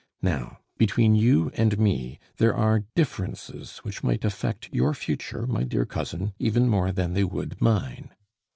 Now, between you and me there are differences which might affect your future, my dear cousin, even more than they would mine.